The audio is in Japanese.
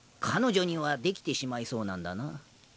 彼女にはできてしまいそうなんだな。